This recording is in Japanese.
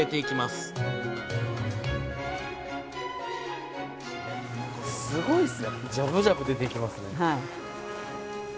すごいっすね。